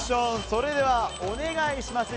それでは、お願いします。